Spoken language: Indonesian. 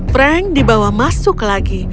frank dibawa masuk lagi